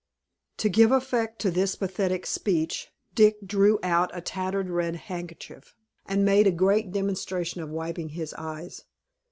To give effect to this pathetic speech, Dick drew out a tattered red handkerchief, and made a great demonstration of wiping his eyes.